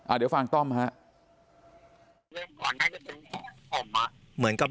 อ่าเดี๋ยวฟังต้อมค่ะ